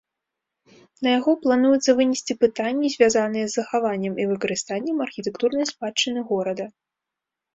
На яго плануецца вынесці пытанні, звязаныя з захаваннем і выкарыстаннем архітэктурнай спадчыны горада.